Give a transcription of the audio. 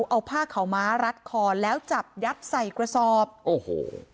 เอาผ้าขาวม้ารัดคอแล้วจับยัดใส่กระสอบโอ้โห